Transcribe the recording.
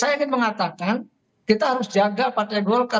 saya ingin mengatakan kita harus jaga partai golkar